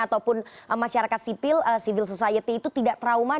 ataupun masyarakat sipil civil society itu tidak trauma